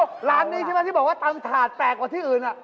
ร้านนี้ใช่ไหมที่บอกว่าตำถาดแปลกกว่าที่อื่น